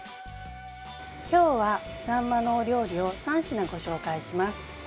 今日はサンマのお料理を３品ご紹介します。